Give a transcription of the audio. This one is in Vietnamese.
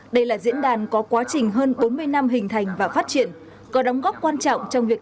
đây là diễn đàn có quá trình hơn bốn mươi năm hình thành và phát triển có đóng góp quan trọng trong việc